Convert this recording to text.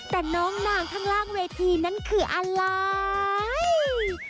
แต่น้องนางข้างล่างเวทีนั้นคืออะไร